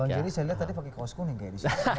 bang jerry saya lihat tadi pakai kaos kuning ya di situ